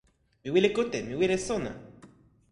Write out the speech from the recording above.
mi wile kute! mi wile sona!